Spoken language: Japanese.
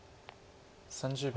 ３０秒。